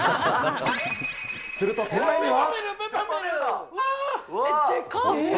すると店内には。